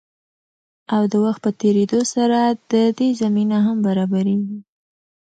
او د وخت په تېريدو سره د دې زمينه هم برابريږي.